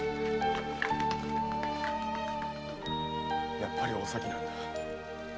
やっぱりお咲なんだ。